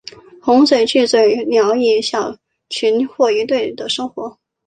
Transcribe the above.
红嘴巨嘴鸟以小群或一对的生活。